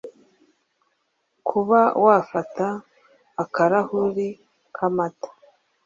Kuba wafata akarahuri k’amata